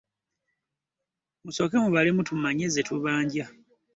Musooke mubalemu tumanye ze babanja.